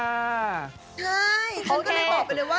ใช่เขาก็เลยบอกไปเลยว่า